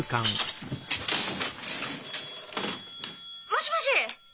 ☎もしもし！